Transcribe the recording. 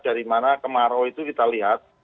dari mana kemarau itu kita lihat